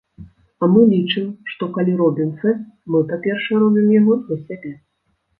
А мы лічым, што, калі робім фэст, мы, па-першае, робім яго для сябе.